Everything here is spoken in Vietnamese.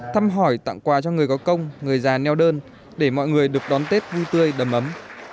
thăm hỏi tặng quà cho người có công người già neo đơn để mọi người được đón tết vui tươi đầm ấm